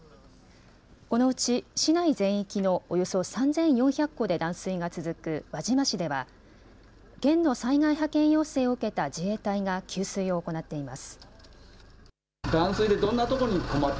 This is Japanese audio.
このうち市内全域のおよそ３４００戸で断水が続く輪島市では、県の災害派遣要請を受けた自衛隊が給水を行っています。